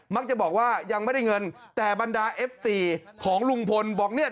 จะบอกว่ายังไม่ได้เงินแต่บรรดาเอฟซีของลุงพลบอกเนี่ย